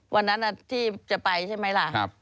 วันนั้นที่จะไปใช่ไหมล่ะ